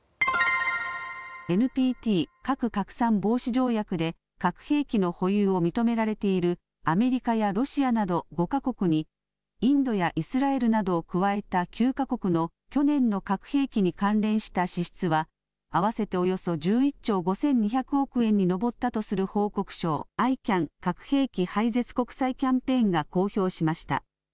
ＮＰＴ・核拡散防止条約で核兵器の保有を認められているアメリカやロシアなど５か国にインドやイスラエルなどを加えた９か国の去年の核兵器に関連した支出は合わせておよそ１１兆５２００億円に上ったとする報告書をＩＣＡＮ・核兵器廃絶国際キャンペーンが公表しました。